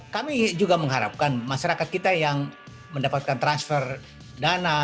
kami juga mengharapkan masyarakat kita yang mendapatkan transfer dana